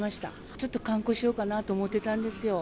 ちょっと観光しようかなと思ってたんですよ。